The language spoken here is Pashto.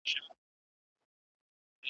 دسرونو بازار تود ؤ .